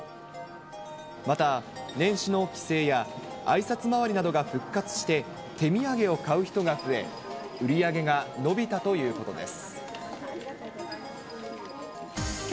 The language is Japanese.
また年始の帰省やあいさつ回りなどが復活して、手土産を買う人が増え、売り上げが伸びたということです。